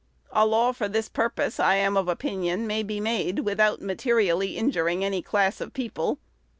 A law for this purpose, I am of opinion, may be made, without materially injuring any class of people.